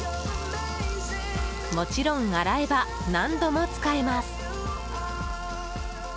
もちろん洗えば何度も使えます。